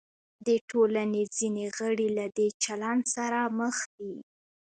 د ټولنې ځینې غړي له دې چلند سره مخ دي.